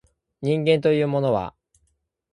人間というものは